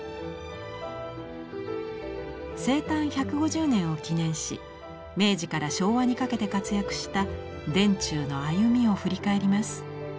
生誕１５０年を記念し明治から昭和にかけて活躍した田中の歩みを振り返ります。